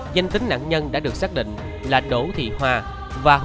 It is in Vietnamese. danh tính nạn nhân đã được xác định là đỗ thị hoa và hung thủ gây án cũng đã được khoanh vụ